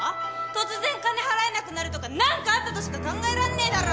突然金払えなくなるとかなんかあったとしか考えらんねえだろ！